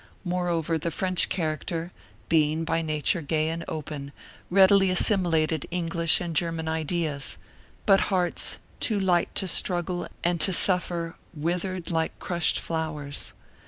Moreover, the French character, being by nature gay and open, readily assimilated English and German ideas; but hearts too light to struggle and to suffer withered like crushed flowers.